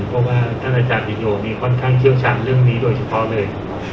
เพราะว่าท่านอาจารย์ปียงนี่ค่อนข้างเชี่ยวชาญเรื่องนี้โดยเฉพาะเลย